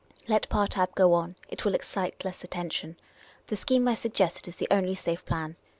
Let Partab go on ; it will excite le.ss attention. The .scheme I suggest is the only safe plan.